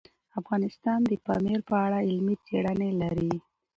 افغانستان د پامیر په اړه علمي څېړنې لري.